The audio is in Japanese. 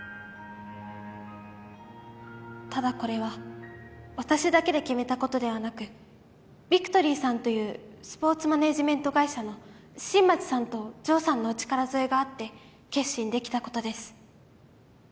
ただこれは私だけで決めたことではなくビクトリーさんというスポーツマネージメント会社の新町さんと城さんのお力添えがあって決心できたことです